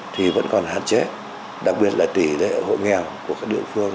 thì vẫn còn hạn chế đặc biệt là tỷ lệ hộ nghèo của các địa phương